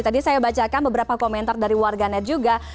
tadi saya bacakan beberapa komentar dari warganet juga